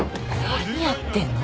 何やってんの？